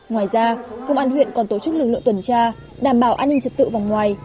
ngoài ra công an huyện còn tổ chức lực lượng tuần tra đảm bảo an ninh trật tự vòng ngoài